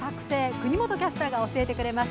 國本キャスターが教えてくれます。